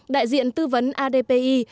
đại diện tư vấn adpi